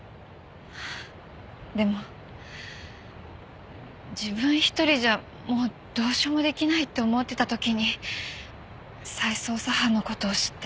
でも自分一人じゃもうどうしようも出来ないって思ってた時に再捜査班の事を知って。